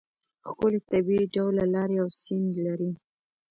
ښکلې طبیعي ډوله لارې او سیند لري.